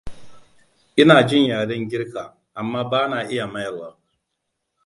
Ina jin yaren Girka, amma bana iya mayarwa.